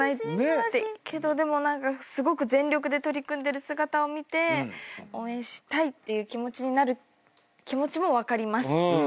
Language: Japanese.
でも何かすごく全力で取り組んでる姿を見て応援したいっていう気持ちになる気持ちも分かります。